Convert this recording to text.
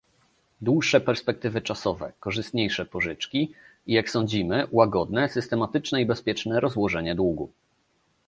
Dłuższe perspektywy czasowe, korzystniejsze pożyczki i, jak sądzimy, łagodne, systematyczne i bezpieczne rozłożenie długu